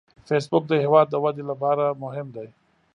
فېسبوک د هیواد د ودې لپاره مهم دی